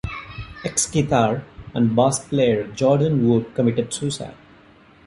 Ex-guitar and bass player Jordan Wood committed suicide.